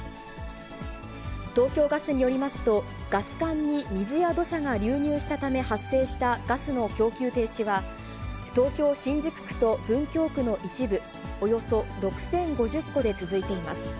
東京ガスによりますと、ガス管に水や土砂が流入したため発生したガスの供給停止は、東京・新宿区と文京区の一部およそ６０５０戸で続いています。